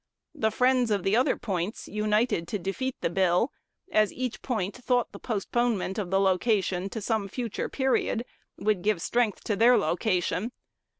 The friends of the other points united to defeat the bill, as each point thought the postponement of the location to some future period would give strength to their location.